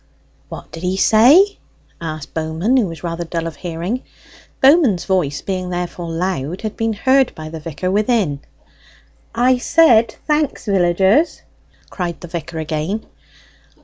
"What did he say?" asked Bowman, who was rather dull of hearing. Bowman's voice, being therefore loud, had been heard by the vicar within. "I said, 'Thanks, villagers!'" cried the vicar again.